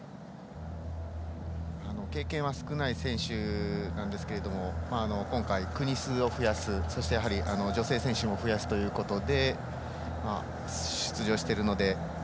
経験が少ない選手なんですけれども今回、国数を増やす女性選手を増やすということで出場しているので。